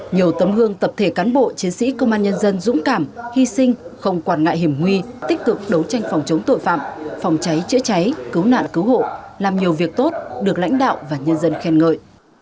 nhiều tấm hương tập thể cán bộ chiến sĩ công an nhân dân dũng cảm hy sinh không quản ngại hiểm nguy tích cực đấu tranh phòng chống tội phạm phòng cháy chữa cháy cứu nạn cứu hộ làm nhiều việc tốt được lãnh đạo và nhân dân khen ngợi